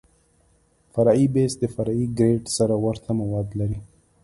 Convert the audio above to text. فرعي بیس د فرعي ګریډ سره ورته مواد لري